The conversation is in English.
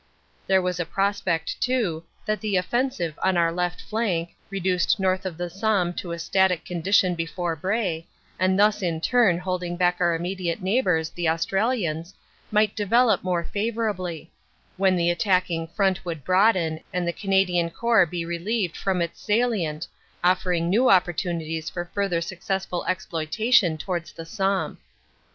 There was a prospect, too, that the offensive on our left flank, reduced north of the Somme to a static condition before Bray, and thus in turn holding back our immediate neighbors, the Australians, might develop more favorably; when the attacking front would broaden and the Canadian Corps be relieved from its salient, offering new opportunities for further successful exploitation towards the Somme.